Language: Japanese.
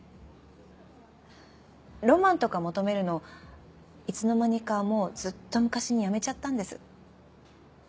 ロマンとか求めるのいつの間にかもうずっと昔にやめちゃったんです。